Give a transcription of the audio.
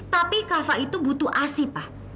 tapi kava itu butuh asih pa